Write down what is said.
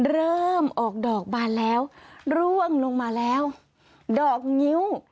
เริ่มออกดอกบานแล้วร่วงลงมาแล้วดอกงิ้ว